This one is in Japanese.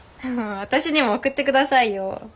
私にも送ってくださいよ。